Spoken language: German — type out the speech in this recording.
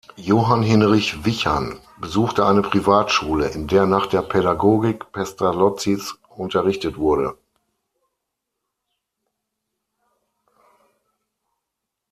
Johann Hinrich Wichern besuchte eine Privatschule, in der nach der Pädagogik Pestalozzis unterrichtet wurde.